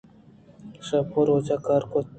شپ ءُروچ کار کُت